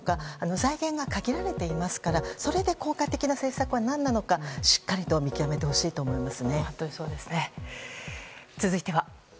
財源は限られていますからそれで、効果的な政策は何なのかしっかりと見極めてほしいと思います。